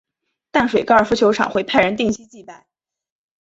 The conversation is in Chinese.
淡水高尔夫球场会派人定期祭拜。